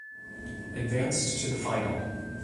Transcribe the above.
Advanced to the Final.